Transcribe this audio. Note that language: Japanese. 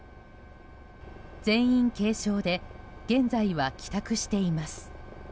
全員、軽症で現在は帰宅しています。